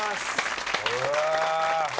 うわ。